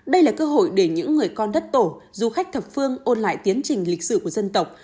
đây là cơ hội để những người con đất tổ du khách thập phương ôn lại tiến trình lịch sử của dân tộc